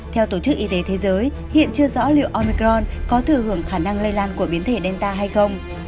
theo tổ chức y tế thế giới hiện chưa rõ liệu onecron có thừa hưởng khả năng lây lan của biến thể delta hay không